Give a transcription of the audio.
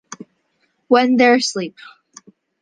When They're Asleep.